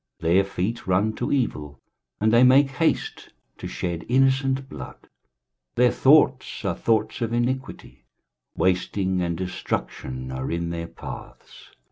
23:059:007 Their feet run to evil, and they make haste to shed innocent blood: their thoughts are thoughts of iniquity; wasting and destruction are in their paths.